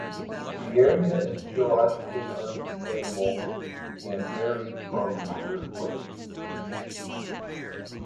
The area is geologically unstable and very prone to earthquakes.